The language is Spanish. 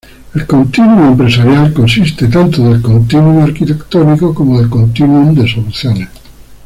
El Continuum Empresarial consiste tanto del Continuum Arquitectónico como del Continuum de Soluciones.